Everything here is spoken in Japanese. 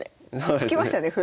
突きましたね歩。